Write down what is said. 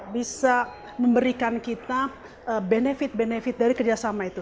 bisa memberikan kita benefit benefit dari kerjasama itu